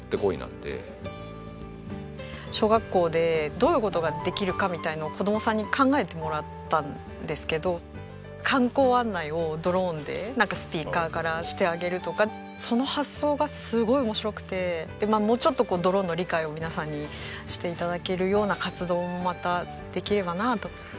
小学校でどういう事ができるかみたいのを子供さんに考えてもらったんですけど観光案内をドローンでスピーカーからしてあげるとかその発想がすごい面白くてでもうちょっとドローンの理解を皆さんにして頂けるような活動もまたできればなと思います。